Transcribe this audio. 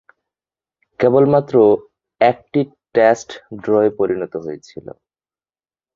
কেবলমাত্র একটি টেস্ট ড্রয়ে পরিণত হয়েছিল।